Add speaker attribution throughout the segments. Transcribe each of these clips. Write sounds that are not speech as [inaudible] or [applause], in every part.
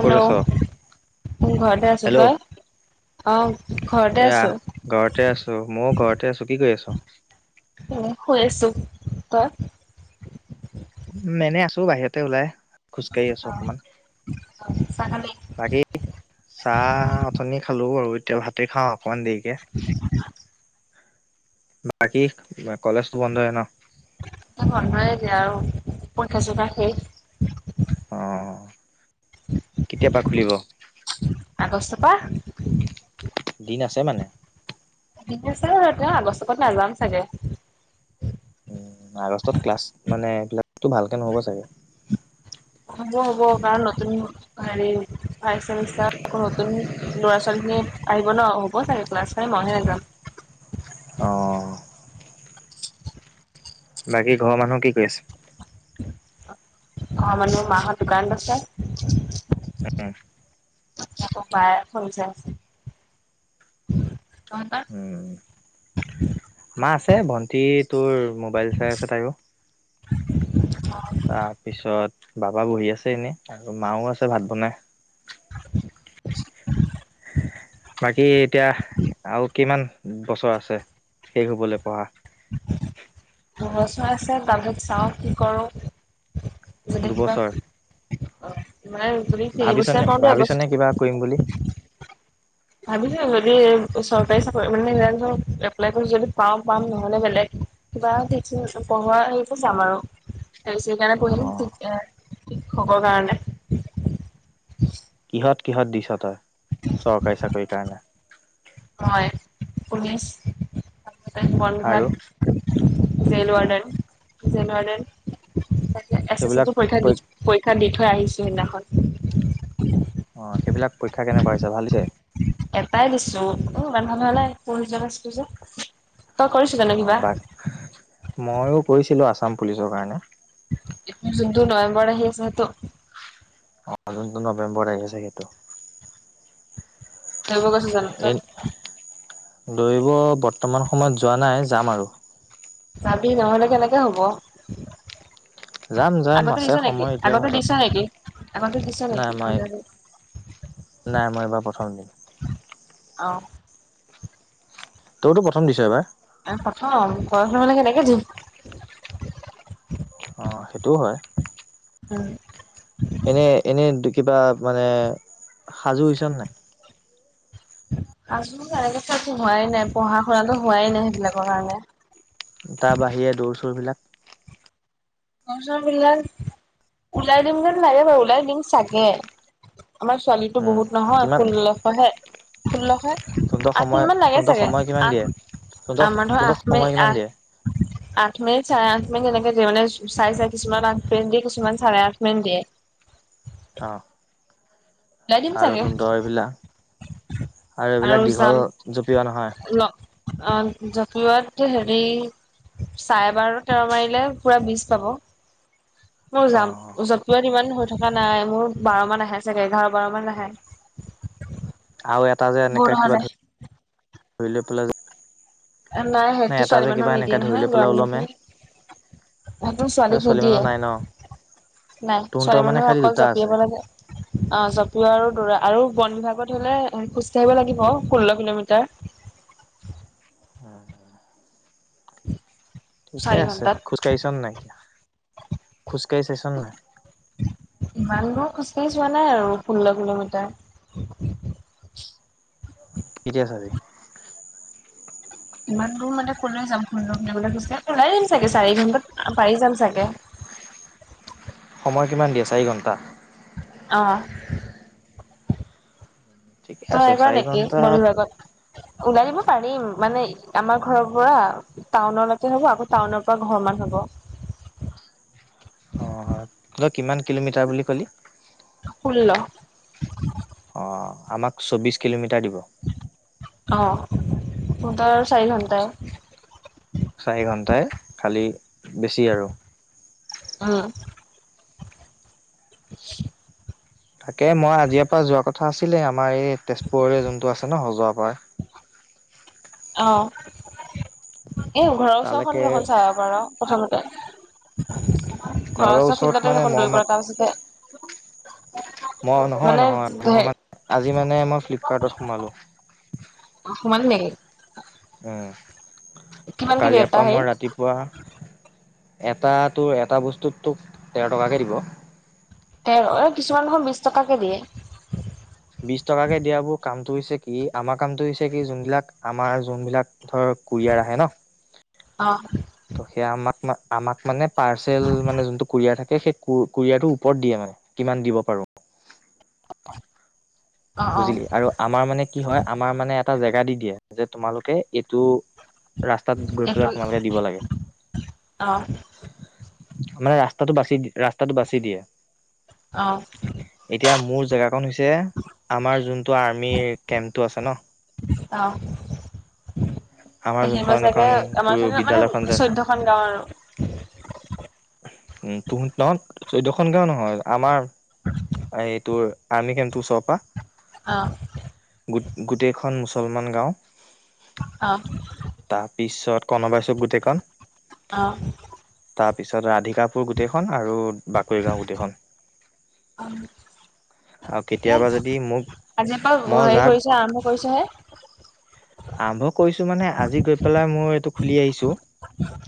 Speaker 1: ক'ত আছ?
Speaker 2: ম ঘৰতে আছো ত
Speaker 1: হেল্ল'।
Speaker 2: ই অ ঘৰতে
Speaker 1: এয়া
Speaker 2: আছো
Speaker 1: ঘৰতে আছো ময়ও ঘৰতে আছো কি কৰি আছ
Speaker 2: উ হৈ আছো তাত
Speaker 1: উ এনেই আছো বাহিৰতে ওলাই খোজকাঢ়ি আছো
Speaker 2: অ
Speaker 1: অকমান
Speaker 2: চাহ খালি
Speaker 1: বাকী চাহ পানি খালো আৰু এতিয়া ভাতে খাওঁ অকমান দেৰিকে বাকী কলেজতো বন্ধ হয় ন
Speaker 2: তাক বন্ধয়ে দিয়া আৰু পৰীক্ষা চৰিক্ষা শেষ
Speaker 1: অ কেতিয়াপা খুলিব
Speaker 2: ৱাহ
Speaker 1: দিন আছে মানে
Speaker 2: আছে তেওঁ আগষ্টকত নাযাম চাগে
Speaker 1: উ আগষ্টত ক্লাছ মানে ক্লাছটো ভালকে নহ'ব চাগে!
Speaker 2: হ'ব হ'ব কাৰণ নতুন হেৰি ভাই চেমিষ্টাৰ নতুন ল'ৰা-ছোৱালী। আহিব ন হ'ব চাগে ক্লাছ মইহে নাযাও।
Speaker 1: অ বাকী ঘৰৰ মানুহ কি কৰি আছে
Speaker 2: অ মানো মাহৰ দোকান আছে
Speaker 1: উম
Speaker 2: একো পায় খছে আছে। তহতৰ
Speaker 1: উম। মা আছে ভন্টি তোৰ মোবাইল চাই আছে তায়ো।
Speaker 2: [unintelligible]
Speaker 1: তাৰপিছত বাবা বহি আছে এনেই আৰু মাও আছে ভাত বনাই
Speaker 2: [unintelligible]
Speaker 1: বাকী এতিয়া আৰু কিমান বছৰ আছে শেই হুবলৈ পঢ়া
Speaker 2: দুবছৰ আছে তাছত চাওঁ কি কৰো যদি কিবা
Speaker 1: দুবছৰ
Speaker 2: অ' তুমি সেই বস্তা
Speaker 1: ভাবিছনে
Speaker 2: পাওঁতে এবছৰ
Speaker 1: ভাবিছনে কিবা কৰিম বুলি?
Speaker 2: ভাবিছো যদি চৰকাৰী চাকৰি মানে এপ্লাই কৰি যদি পাওঁ পাম নহলে বেলেগ কিবা [unintelligible] [unintelligible] শিক
Speaker 1: অ
Speaker 2: হ'ব কাৰণে
Speaker 1: কিহত, কিহত দিছ তই চৰকাৰী চাকৰি কাৰণে
Speaker 2: হয় পুলিচ বনঘাট
Speaker 1: আৰু
Speaker 2: জেল
Speaker 1: উম
Speaker 2: ৱাৰ্ডেন জেল ৱাৰ্ডন এছে ছি পৰী পৰীক্ষা দি থৈ আহিছো সিদিনাখন
Speaker 1: অ সেইবিলাক পৰীক্ষা কেনেকুৱা হৈছে ভাল হৈছে
Speaker 2: এটাই দিছো অ বন্ধা নহলোই পঢ় যোৱা চ পু যে তই কৰিছ জানো
Speaker 1: অঁ
Speaker 2: কিবা
Speaker 1: বাক ময়ো কৈছিলোঁ আসাম পুলিচৰ কাৰণে
Speaker 2: এ যোনটো নৱেম্বৰ আহি আছে হেতু
Speaker 1: অন্তো নৱেম্বৰ আহে ছাগে ইতো
Speaker 2: ধৰিব গৈছ জানো তই
Speaker 1: দৈব বৰ্তমান সময়ত যোৱা নাই যাম আৰু
Speaker 2: যাবি নহলে কেনেকে হ'ব।
Speaker 1: যাম যাম
Speaker 2: আগতে
Speaker 1: আছে
Speaker 2: দিছ নেকি,
Speaker 1: সময় এতিয়াও
Speaker 2: আগতে
Speaker 1: হাতত।
Speaker 2: দিছ নেকি, আগতে দিছ
Speaker 1: নাই
Speaker 2: নেকি?
Speaker 1: মই নাই, মই এইবাৰ প্ৰথম দিম।
Speaker 2: অ
Speaker 1: তইও টো, প্ৰথম দিছ' এবাৰ?
Speaker 2: এয়া প্ৰথম, কৰৰ নহ'লে সেনেকে দি।
Speaker 1: অহ' সেইটোও হয়।
Speaker 2: [unintelligible]
Speaker 1: এনে, এনে কিবা মানে সাজু হৈছনে নাই?
Speaker 2: আছোঁ তেনেকে চ হোৱাই নাই পঢ়া শুনা হোৱাই নাই সেইবিলাকৰ কাৰণে।
Speaker 1: তাৰ বাহিৰে, দৌৰ চৌৰ বিলাক?
Speaker 2: ঘৰ চৰ পিলাক ওলাই দিম যেন লাগে বাৰু, ওলাই দিম চাগে? আমাৰ ছোৱালী। তো
Speaker 1: উম
Speaker 2: বহুত নহয়,
Speaker 1: কিমান
Speaker 2: ষোল্লশহে-ষোল্লশ।
Speaker 1: তহঁতৰ
Speaker 2: আঠ
Speaker 1: সময়
Speaker 2: মিনিট মান লাগে
Speaker 1: তহঁতৰ
Speaker 2: চাগে,
Speaker 1: সময় কিমান
Speaker 2: আঠ
Speaker 1: দিয়ে তহঁতৰ
Speaker 2: আমাৰ ধৰ
Speaker 1: তহঁতৰ
Speaker 2: আঠ
Speaker 1: সময় কিমান দিয়ে
Speaker 2: মি-আঠ। আঠ মে' চ কি তেনেকে দিয়ে মানে চাই-চাই কিছুমান আঠ মেন দিয়ে কিছুমান চাৰে আঠ মেন দিয়ে।
Speaker 1: অ',
Speaker 2: ওলাই দিম
Speaker 1: আৰু
Speaker 2: চাগে
Speaker 1: তুহন্তৰ এইবিলাক? আৰু
Speaker 2: আৰু
Speaker 1: এইবিলাক, দীঘল জপিওৱা নহয়।
Speaker 2: অহ' জাকিততো হেৰি। চাৰে বাৰ তেৰ মাৰিলে পুৰা বিশ পাব।
Speaker 1: [unintelligible]
Speaker 2: মোৰ যাম, যত পোৱাত ইমান হৈ থকা নাই। মোৰ বাৰ মান আহে চাগে, এঘাৰ। বাৰমান নাহে।
Speaker 1: আৰু এটা যে এনেকে কিবা, ধ-ধৰি লৈ পেলাই যে?
Speaker 2: নাই সেইতটো
Speaker 1: এটা
Speaker 2: ছোৱালী
Speaker 1: যে
Speaker 2: মানুহ
Speaker 1: কিবা
Speaker 2: মদিয়ে
Speaker 1: এনেকে ধৰি
Speaker 2: নহয়
Speaker 1: লৈ
Speaker 2: লৰা
Speaker 1: পেলাই ওলমে
Speaker 2: ম এইটো
Speaker 1: সেই
Speaker 2: ছোৱালীকো
Speaker 1: ছোৱালী মানুহৰ নাই ন
Speaker 2: দিয়ে। নাই
Speaker 1: তহঁতৰ
Speaker 2: ছোৱালী
Speaker 1: মানে
Speaker 2: মানুহে
Speaker 1: খালি
Speaker 2: অকল
Speaker 1: দুটা আছে
Speaker 2: জপিয়াব লাগে অ', জঁপিও আৰু দৌৰা। আৰু বন বিভাগত হ'লে, খোজকাঢ়িব লাগিব ষোল্ল কিলোমিটাৰ।
Speaker 1: উম'।
Speaker 2: [unintelligible]
Speaker 1: ঠিকে
Speaker 2: চাৰি
Speaker 1: আছে,
Speaker 2: ঘন্টাত
Speaker 1: খোজ কাঢ়িছ নে নাই? খোজকাঢ়িছে চ'ল না।
Speaker 2: ইমান দূৰ খোজকাঢ়ি যোৱা নাই আৰু, ষোল্ল কিলোমিটাৰ।
Speaker 1: এতিয়া, ছাবি।
Speaker 2: ইমান দূৰ মানে, কলৈ যাম। [unintelligible] কে ওলাই আহিম চাগে, চাৰি ঘণ্টাত পাৰি যাম চাগে?
Speaker 1: [unintelligible] সময় কিমান দিয়ে, চাৰি ঘণ্টা।
Speaker 2: অহ।
Speaker 1: ঠিকে
Speaker 2: তই
Speaker 1: আছে
Speaker 2: আহিবা
Speaker 1: চাৰি
Speaker 2: নেকি মোৰ
Speaker 1: ঘন্টাত
Speaker 2: লগত ওলব পাৰিম, মানে আমাৰ ঘৰৰ পৰা টাউনলৈকে হ'ব, আকৌ টাউনৰ পৰা ঘৰ মান হ'ব।
Speaker 1: [unintelligible] অ' তই কিমান কিলোমিটাৰ বুলি কলি?
Speaker 2: [unintelligible]
Speaker 1: অ', আমাক চৌবিশ কিলোমিটাৰ দিব।
Speaker 2: অ', [unintelligible] চাৰি ঘণ্টাৱে?
Speaker 1: চাৰি ঘণ্টাই খালী বেছি আৰু।
Speaker 2: উম, [unintelligible]
Speaker 1: তাকে মই আজিৰে পৰা যোৱা কথা আছিলে, আমাৰ এই তেজপুৰৰে যোনটো আছে ন সজোৱা পৰা।
Speaker 2: অ', এ ঘৰৰ ওচৰৰ খন
Speaker 1: তালৈকে
Speaker 2: ৰ চাই আহিব পাৰ, প্ৰথমতে।
Speaker 1: ঘৰৰ
Speaker 2: খৰচৰ
Speaker 1: ওচৰত
Speaker 2: ফিল্ডতে
Speaker 1: মানে
Speaker 2: দেখোন
Speaker 1: মই
Speaker 2: দৌৰি
Speaker 1: ম
Speaker 2: পা তাৰপিছতে।
Speaker 1: মই নহয়
Speaker 2: মানে
Speaker 1: নহয়
Speaker 2: হে
Speaker 1: মই আজি মানে মই ফ্লিপকাৰ্টত সোমালোঁ।
Speaker 2: সোমালি নেকি?
Speaker 1: এহ ত
Speaker 2: কিমানকে দিয়ে এটা
Speaker 1: কালিপা মই
Speaker 2: হেৰিত
Speaker 1: ৰাতিপুৱা এটা তোৰ এটা বস্তুত তোক তেৰ টকাকে দিব।
Speaker 2: তেৰ এ কিছুমান নহ বিশ টকাকে দিয়ে।
Speaker 1: বিশ টকাকে দিয়াবোৰ কামটো হৈছে কি, আমাৰ কামটো হৈছে কি যোনবিলাক আমাৰ যোনবিলাক ধৰ। কুৰিয়াৰ আহে ন'
Speaker 2: অ
Speaker 1: ত' সেয়া আমাৰ। আমাক মানে পাৰ্চেল যোনটো কুৰিয়াৰ থাকে সেই কুৰিয়াৰটোৰ ওপৰত দিয়ে মানে কিমান দিব পাৰো। হয়।
Speaker 2: অ অ
Speaker 1: বুজিলি আৰু আমাৰ মানে কি হয় আমাৰ মানে এটা জেগা দি দিয়ে যে তোমালোকে এইটো। ৰাস্তাত গৈ পেলাই
Speaker 2: এইটো
Speaker 1: তোমালোকে দিব লাগে।
Speaker 2: অ অ
Speaker 1: মানে ৰাস্তাটো বাচি ৰাস্তাটো বাচি দিয়ে এতিয়া মোৰ। এখন হৈছে আমাৰ যোনটো আৰ্মিৰ কেম্পটো আছে ন'
Speaker 2: অ'
Speaker 1: আমাৰ যোনখন
Speaker 2: সেইখিনিপা চাগে
Speaker 1: এইখন তোৰ
Speaker 2: আমাৰ মানে
Speaker 1: বিদ্যালয়খন যে
Speaker 2: চৈধ্যয়খন গাও আৰু।
Speaker 1: উ তুহুন তক। চৈধ্যখন গাও নহয় আমাৰ এইটো আৰ্মি কেম্পটোৰ ওচৰ পা।
Speaker 2: অ
Speaker 1: গো গোটেইখন মুছলমান গাঁও।
Speaker 2: অ
Speaker 1: তাৰপিছত কণবাইছো গোটেইখন।
Speaker 2: অ'
Speaker 1: তাৰপিছত ৰাধিকাপুৰ গোটেইখন আৰু বাকৰিগাঁও গোটেইখন। আৰু
Speaker 2: [inaudible] ঠিকে
Speaker 1: কেতিয়াবা
Speaker 2: আছে
Speaker 1: যদি মোক
Speaker 2: আজিৰ এ পৰা
Speaker 1: মই
Speaker 2: হেৰি
Speaker 1: যাৰ
Speaker 2: কৰিছে আৰম্ভ কৰিছেহে।
Speaker 1: আৰম্ভ কৰিছো মানে, আজি গৈ পেলাই মোৰ এইটো খুলি আহিছো।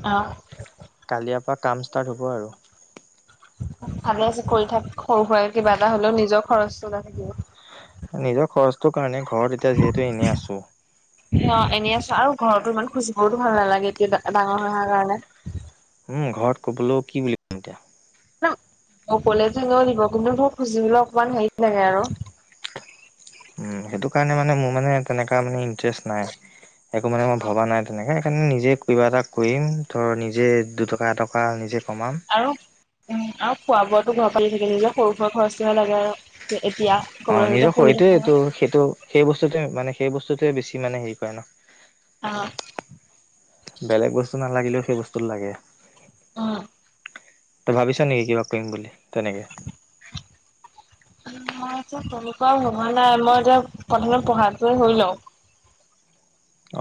Speaker 2: অ
Speaker 1: কালিয়া পা কাম ষ্টাৰ্ট হ'ব আৰু
Speaker 2: ভালে আছে কৰি থাক সৰু সুৰা কিবা এটা হলেও নিজৰ খৰচ নাথাকিব।
Speaker 1: নিজৰ খৰচটোৰ কাৰণে ঘৰত এতিয়া যিহেতু এনে আছো।
Speaker 2: অ এনেই আছো আৰু ঘৰতো ইমান খুজিবও ভাল নালাগে এতিয়া ডাঙৰ হৈ অহাৰ কাৰণে।
Speaker 1: উম ঘৰত ক'বলৈ কি বুলি কম এতিয়া!
Speaker 2: অকলে যে লৈ দিব কোন্তো ধৰ খুজিবলে অকমান হেৰি লাগে আৰু।
Speaker 1: [inaudible] সেইটো কাৰণে মানে মোৰ মানে তেনেকা মানে ইটাৰেষ্ট নাই। একো মানে মই ভবা নাই তেনেকে সেইকাৰণে নিজে কিবা এটা কৰিম ধৰ নিজে দুটকা এটকা নিজে কমাম
Speaker 2: আৰু উম আৰু খোৱা বোৱাটো ঘৰ পালি থাকে সেইবিলাক সৰু সুৰা খৰচহে লাগে আৰু তে এড
Speaker 1: অ নিজৰ শৰীৰটোৱেটো সেইটো সেই বস্তুটোৱে মানে সেই বস্তুটোৱে বেছি মানে সেই কৰে
Speaker 2: অ
Speaker 1: ন। বেলেগ বস্তু নালাগিলেও সেই বস্তুত লাগে।
Speaker 2: অ।
Speaker 1: তই ভাবিছ নেকি কিবা কৰিম বুলি তেনেকে?
Speaker 2: ম এতিয়া তলপোৱা সোমোৱা নাই মই এতিয়া প্ৰথমতে পঢ়াটোৱে হৈ লওঁ।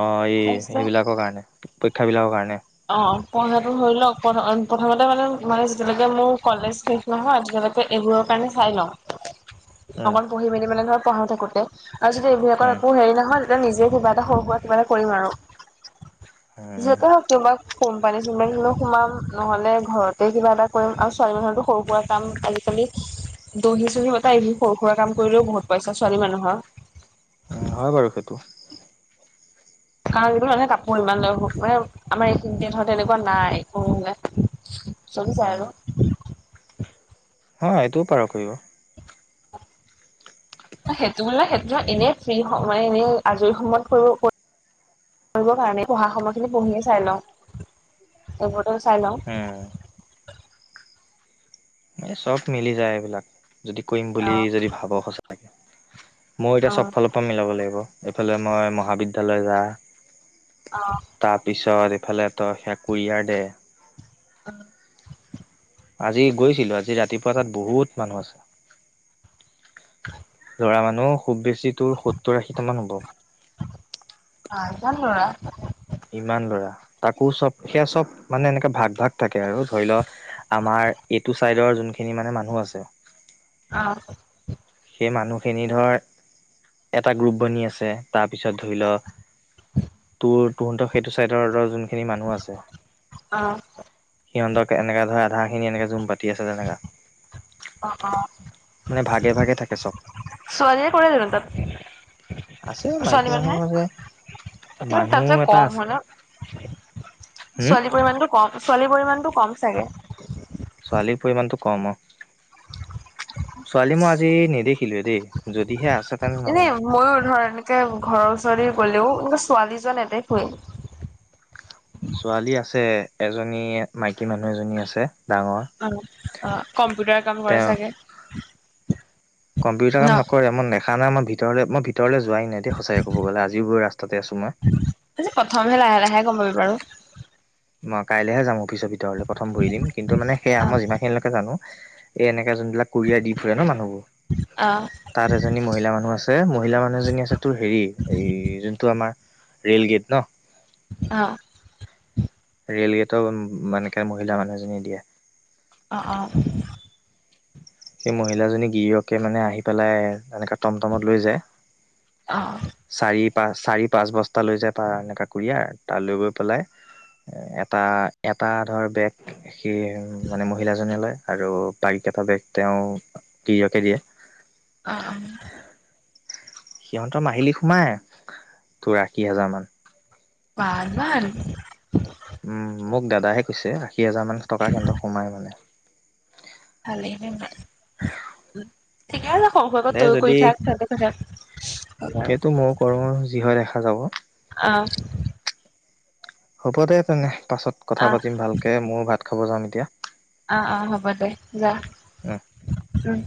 Speaker 1: অ এই
Speaker 2: তাৰপিছত
Speaker 1: সেইবিলাকৰ কাৰণে পৰীক্ষাবিলাকৰ কাৰণে।
Speaker 2: অ পঢ়াটো হৈ লওক প্ৰথমতে মানে মানে যেতিয়ালৈকে মোৰ কলেজ শেষ নহয় তেতিয়া ঘতে এইবোৰৰ কাৰণে চাই লওঁ।
Speaker 1: উম
Speaker 2: অকণ পঢ়ি মেলি মানে ধৰ পঢ়ায় থাকোতে আৰু যদি এইবিলাকৰ
Speaker 1: উম
Speaker 2: একো হেৰি নহয় তেতিয়া নিজে কিবা সৰু সোৱা কিবা এটা কৰিম আৰু। যিহেতু কিবা
Speaker 1: [unintelligible]
Speaker 2: কোম্পানী চোম্পানী হলোঁ সোমাম নহ'লে ঘৰতে কিবা এটা কৰিম আৰু ছোৱালী মানুহৰটো সৰু সুৰা কাম আ জিকালি দহি চহি বতা এইবোৰ সৰু সুৰা কাম কৰিলেও বহুত পাইছা ছোৱালী মানুহৰ
Speaker 1: অ হয় বাৰু সেইটো।
Speaker 2: কাৰণ যিটোল মানুহে কাপোৰ ইমান লয় হু মানে আমাৰ এইখিনিতে ধৰ তেনেকুৱা নাই একো চলিযায়
Speaker 1: উম
Speaker 2: আৰু।
Speaker 1: হয় এইটোও পাৰ কৰিব।
Speaker 2: সেইটো হ'লে সেইটো এনে ফ্ৰী মানে এনে আজৰি সময়ত কৰিব প কাৰণে পঢ়া সময়খিনি পঢ়িয়ে চাই লওঁ এইবোৰ [unintelligible] চাই লওঁ।
Speaker 1: উম এই চব মিলি যায় এইবিলাক যদি কৰিম
Speaker 2: অ
Speaker 1: বুলি যদি ভাব সচাকে। মোৰ এতিয়া
Speaker 2: অ
Speaker 1: চব ফালৰ পৰা মিলাব লাগিব এইফালে মই মহাবিদ্যালয় যা।
Speaker 2: অ',
Speaker 1: তাৰপিছত এইফালে তই সে কুুৰিয়াৰ দে।
Speaker 2: অ'।
Speaker 1: আজি গৈছিলো আজি ৰাতিপুৱা তাত বহুত মানুহ আছে।
Speaker 2: [inaudible]
Speaker 1: মানহ খুব বেছি সত্তৰ আশীটা মান হ'ব।
Speaker 2: ভাল- ভাল ল'ৰা।
Speaker 1: ইমান ল'ৰা তাকো চব সেয়া চব মানে এনেকে ভাগ ভাগ থাকে আৰু ধৰি ল আমাৰ এইটো চাইডৰ যোনখিনি মানে মানুহ আছে।
Speaker 2: অ', -
Speaker 1: সেই মানুহখিনি ধৰ এটা গ্ৰুপ বনি আছে তাৰপিছত ধৰি ল তোৰ তহতৰ সেইটো চাইডৰ খিনি মানুহ আছে
Speaker 2: অ
Speaker 1: সিহঁতক এনেকা ধৰে আধা সেইখিনি এনেকে জোম পাতি আছে যেনেকা।
Speaker 2: অ'- অ'
Speaker 1: ভাগে ভাগে থাকে চব
Speaker 2: ছোৱালী কৰে জানো তাত।
Speaker 1: আছে
Speaker 2: ছোৱালী
Speaker 1: মাইকী মানুহ
Speaker 2: মানুহে,
Speaker 1: আছে
Speaker 2: কিন্তু
Speaker 1: মানুহ
Speaker 2: তাতছে
Speaker 1: এটা
Speaker 2: কম
Speaker 1: আছে
Speaker 2: হয়নে।
Speaker 1: হম
Speaker 2: ছোৱালীৰ পৰিমানটো কম ছোৱালীৰ পৰিমাণটো কম চাগে।
Speaker 1: [unintelligible] শিলোহে দেই যদিহে আছে তেনতে নাজানো।
Speaker 2: দে ঘৰৰ ওচৰৰে গ'লেও এনে ছোৱালী যোৱা নেদেখোৱে।
Speaker 1: ছোৱালী আছে এজনী মাইকী মানুহ এজনী আছে। ডাঙৰ
Speaker 2: অ'-অ' কম্পিউটাৰৰ কাম কৰে
Speaker 1: তেওঁ
Speaker 2: চাগে।
Speaker 1: কম্পিউটাৰ
Speaker 2: ন
Speaker 1: কাম নকৰে মই নেখা নাই মই ভিতৰলে মই ভিতৰলৈ যোৱাই নাই দেই সঁচাকে ক'ব গ'লে আজিও বোৰ ৰাস্তাতে আছো
Speaker 2: আজি
Speaker 1: মই।
Speaker 2: প্ৰথমহে লাহে লাহে গম পাবি বাৰু
Speaker 1: অ', কাইলেহে যাম অফিচৰ ভিতৰলৈ প্ৰথম ভৰি দিম কিন্তু মানে সেয়া মই যিমানখিনিলৈকে জানো এ এনে এতিয়া যোনবিলাক কোৰিয়াৰ দি ফুৰে ন
Speaker 2: অ
Speaker 1: মানুহবোৰ। তাত এজনী মহিলা মানুহ আছে, মহিলা মানুহ এজনী আছে তোৰ হেৰি এই যোনটো আমাৰ ৰেলগেট ন।
Speaker 2: অ'।
Speaker 1: ৰেল গেটটো মানেকে মহিলা মানুহজনী দিয়ে।
Speaker 2: অ'- অ'।
Speaker 1: সেই মহিলাজনী গিৰিয়কে মানে আহি পেলাই এনেকে টমটমত লৈ যায়।
Speaker 2: অ'।
Speaker 1: চাৰি চাৰি পাঁচ বস্তা লৈ যায় পাৰানে কুৰি আৰ তালৈ গৈ পেলাই এটা এটা ধৰ বেগ সি মানে মহিলাজনে লয় আৰু বাৰি এটা বেগ তেওঁ [unintelligible] কে দিয়ে।
Speaker 2: অ'- অ'।
Speaker 1: সিহঁতৰ মাহিলী সোমাই তোৰ আশী হাজাৰ মান।
Speaker 2: বা' ইমান?
Speaker 1: উম মোক দাদাহে কৈছে আশী হাজাৰ মান টকা সিহঁতৰ সোমাই মানে।
Speaker 2: ভালেই ঠিকে আছে সৰু সোৰাকে
Speaker 1: দে
Speaker 2: তয়ো
Speaker 1: যদি
Speaker 2: কৰি থাক [unintelligible] থাক
Speaker 1: সেইটো মওঁ কৰো যি হয় দেখা যাব।
Speaker 2: অ'।
Speaker 1: হ'ব দে তেনে পাছত কথা
Speaker 2: অ
Speaker 1: পাতিম ভালকে মোৰ ভাত খাব যাম এতিয়া।
Speaker 2: অহ-অহ, হ'ব দে যা
Speaker 1: উম
Speaker 2: উম,